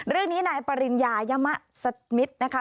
เรื่องนี้นายปริญญายมะสมิตรนะคะ